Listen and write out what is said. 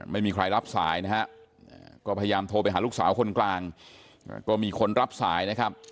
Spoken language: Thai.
ไม่มีใครรับสายนะฮะก็พยายามโทรไปหาลูกสาวคนกลางก็มีคนรับสายนะครับ